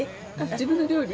自分の料理？